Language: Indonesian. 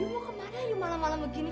lu mau ke mana malam malam begini